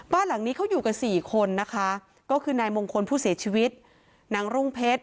บ้านหลังนี้เขาอยู่กันสี่คนนะคะก็คือนายมงคลผู้เสียชีวิตนางรุ่งเพชร